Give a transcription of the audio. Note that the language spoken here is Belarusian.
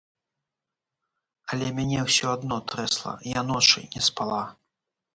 Але мяне ўсё адно трэсла, я ночы не спала.